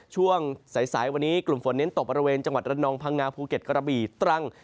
ช่วงสายวันนี้กลุ่มฝนเน้นตกบริเวณจังหวัดระนองพังงาภูเก็ตกระบี่ตรัง